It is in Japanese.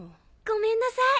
ごめんなさい。